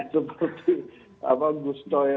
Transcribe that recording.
seperti gus soi